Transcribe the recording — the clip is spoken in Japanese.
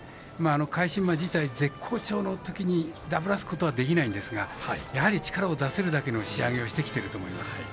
返し馬自体絶好調のときにダブらすことはできないんですがやはり、力を出せるだけの試合をしてきていると思います。